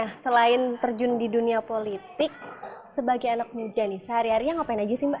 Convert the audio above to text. nah selain terjun di dunia politik sebagai anak muda nih sehari harinya ngapain aja sih mbak